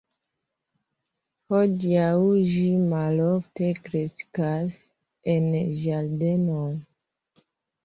Hodiaŭ ĝi malofte kreskas en ĝardenoj.